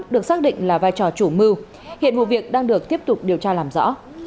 được xác định là vai trò chủ mưu hiện vụ việc đang được tiếp tục điều tra làm rõ